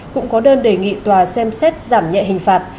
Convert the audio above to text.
cũng có đơn đề nghị tòa xem xét giảm nhẹ hình phạt